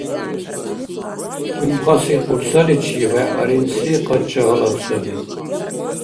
Кумхаси кьулсаличиб вeгӀ аринси кӀачӀа гьалаб саби.